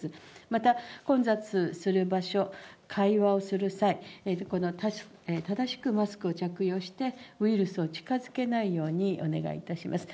また、混雑する場所、会話をする際、正しくマスクを着用して、ウイルスを近づけないようにお願いいたします。